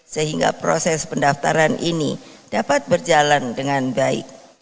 sehingga proses pendaftaran ini dapat berjalan dengan baik